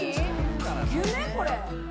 夢、これ？